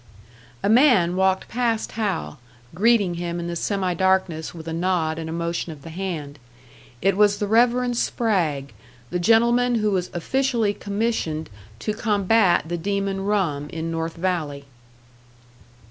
A man walked past Hal, greeting him in the semi darkness with a nod and a motion of the hand. It was the Reverend Spragg, the gentleman who was officially commissioned to combat the demon rum in North Valley.